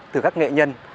từ các nghệ nhân